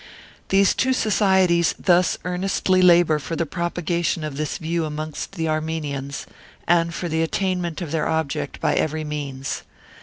These two Societies thus earnestly labour for the propagation of this view amongst the Armenians, and for the attain ment of their object by every means.